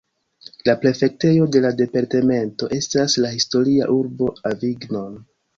La prefektejo de la departemento estas la historia urbo Avignon.